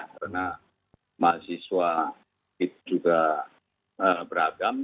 karena mahasiswa itu juga beragam